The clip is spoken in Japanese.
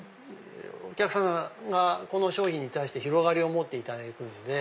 お客さまがこの商品に対して広がりを持っていただけるので。